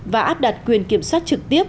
và áp đặt quyền kiểm soát trực tiếp